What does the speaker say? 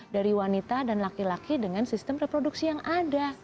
dari wanita dan laki laki dengan sistem reproduksi yang ada